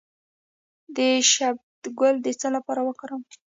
د شبت ګل د څه لپاره وکاروم؟